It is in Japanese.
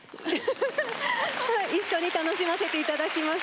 一緒に楽しませていただきます。